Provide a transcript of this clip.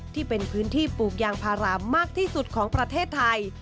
ที่เป็นพื้นที่ปลูกยางพารามากที่สุดของประเทศไทย